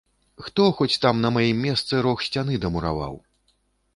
Хто хоць там на маім месцы рог сцяны дамураваў?